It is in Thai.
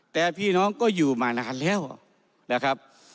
แต่พี่น้องก็อยู่มานานแล้วนะครับ